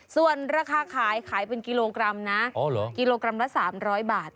ส่วนราคาขายขายเป็นกิโลกรัมนะกิโลกรัมละ๓๐๐บาท